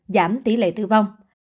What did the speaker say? giảm tỷ lệ tử vong